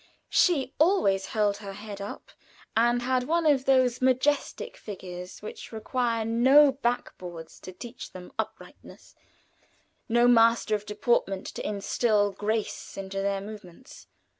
She always held her head up, and had one of those majestic figures which require no back boards to teach them uprightness, no master of deportment to instill grace into their movements.